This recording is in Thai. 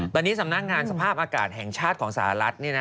ตอนนี้สำนักงานสภาพอากาศแห่งชาติของสหรัฐ